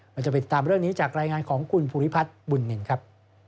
เราจะไปติดตามเรื่องนี้จากรายงานของคุณภูริพัฒน์บุญนินครับ